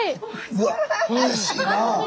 うわっうれしいなあ！